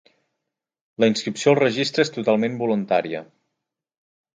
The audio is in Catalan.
La inscripció al registre és totalment voluntària.